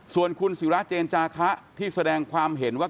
ส่วนคุณศิราเจนจาคะที่แสดงความเห็นว่า